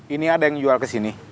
ini ada yang jual kesini